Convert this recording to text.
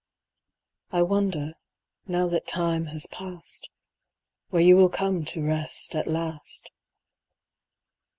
I wonder, now that time has passed, Where you will come to rest at last.